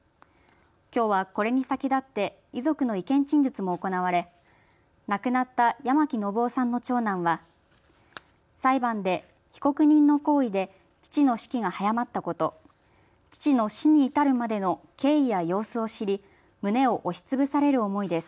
きょうはこれに先立って遺族の意見陳述も行われ亡くなった八巻信雄さんの長男は裁判で被告人の行為で父の死期が早まったこと、父の死に至るまでの経緯や様子を知り胸を押しつぶされる思いです。